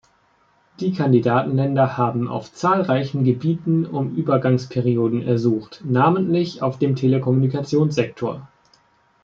Die Kandidatenländer haben auf zahlreichen Gebieten um Übergangsperioden ersucht, namentlich auf dem Telekommunikationssektor.